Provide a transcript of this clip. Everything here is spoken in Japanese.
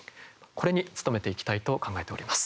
これに努めていきたいと考えております。